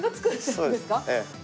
そうです。